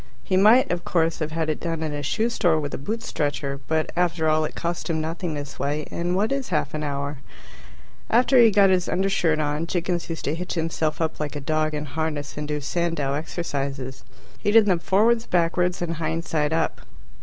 He might, of course, have had it done in a shoe store with a boot stretcher, but after all it cost him nothing this way, and what is half an hour? After he had got his undershirt on, Jiggins used to hitch himself up like a dog in harness and do Sandow exercises. He did them forwards, backwards, and hind side up.